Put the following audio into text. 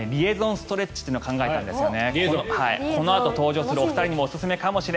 ストレッチというのを考えたんですよね。